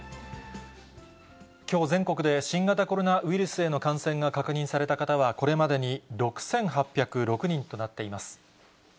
きょう全国で新型コロナウイルスへの感染が確認された方は、これまでに６８０６人となっています。